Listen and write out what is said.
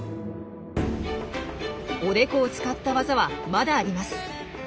おでこを使った技はまだあります。